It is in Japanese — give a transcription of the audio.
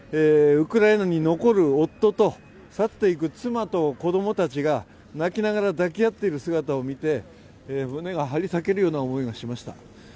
ウクライナに残る夫と去っていく妻と子供たちが泣きながら抱き合っている姿を見て胸が張り裂けるような思いがしました。